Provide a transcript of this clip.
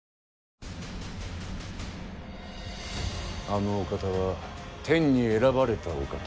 あのお方は天に選ばれたお方。